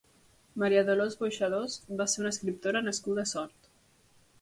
Maria Dolors Boixadós va ser una escriptora nascuda a Sort.